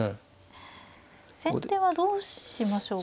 先手はどうしましょうか。